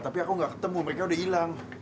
tapi aku gak ketemu mereka udah hilang